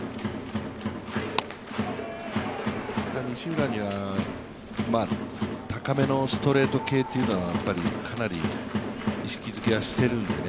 西浦には高めのストレート系というのはかなり意識付けはしているんでね